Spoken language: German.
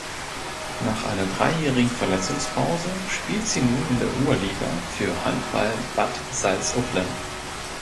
Nach einer dreijährigen Verletzungspause spielt sie nun in der Oberliga für Handball Bad Salzuflen.